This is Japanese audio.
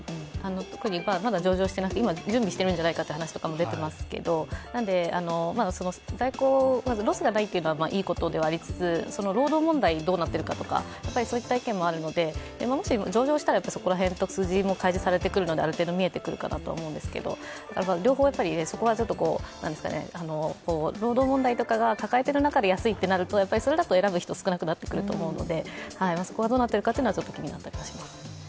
特にまだ上場していなくて準備しているんじゃないかという話も出ていますが在庫のロスがないということはいいことではありつつ、労働問題はどうなってるかとか、そういった意見もあるので、上場したらそこら辺と数字も開示されてくるのである程度見えてくるからいいと思うんですけど、労働問題を抱えている中で安いとなるとそれだと選ぶ人は少なくなってくると思うのでそこがどうなっているかは気になったりします。